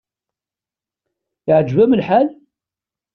Iɛǧeb-am lḥal?